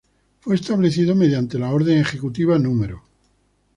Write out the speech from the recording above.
Fue establecido mediante la Orden Ejecutiva No.